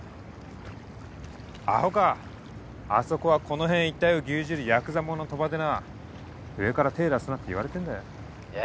アホかあそこはこの辺一帯を牛耳るヤクザモンの賭場でな上から手ぇ出すなって言われてんだよえ？